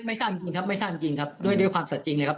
ไม่สั้นจริงครับไม่สั้นจริงครับด้วยความสัจจริงเลยครับ